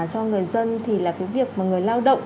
cho người dân thì là cái việc mà người lao động